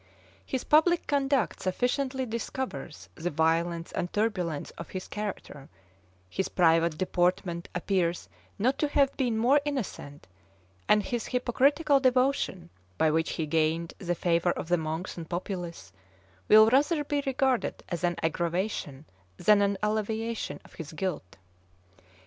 His public conduct sufficiently discovers the violence and turbulence of his character: his private deportment appears not to have been more innocent: and his hypocritical devotion, by which he gained the favor of the monks and populace, will rather be regarded as an aggravation than an alleviation of his guilt.